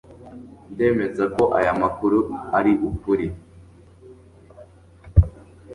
Ndemeza ko aya makuru ari ukuri